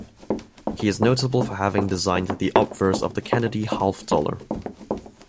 He is notable for having designed the obverse of the Kennedy Half Dollar.